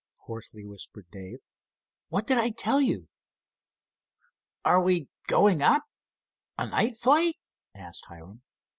hoarsely whispered Dave. "What did I tell you?" "Are we going up—a night flight?" asked Hiram.